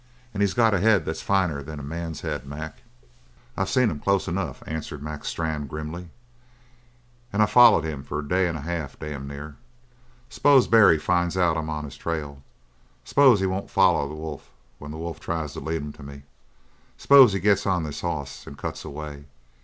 And he's got a head that's finer than a man's head, Mac." "I've seen him close enough," answered Mac Strann grimly. "An' I've follered him for a day and a half, damn near. S'pose Barry finds out I'm on his trail; s'pose he won't foller the wolf when the wolf tries to lead him to me. S'pose he gets on this hoss and cuts away?